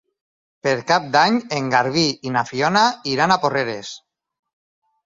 Per Cap d'Any en Garbí i na Fiona iran a Porreres.